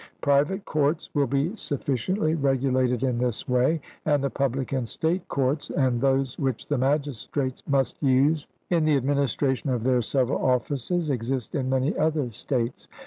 Private courts will be sufficiently regulated in this way, and the public and state courts, and those which the magistrates must use in the administration of their several offices, exist in many other states.